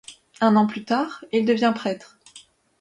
Un an plus tard, il devient prêtre.